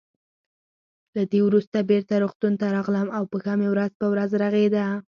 له دې وروسته بېرته روغتون ته راغلم او پښه مې ورځ په ورځ رغېده.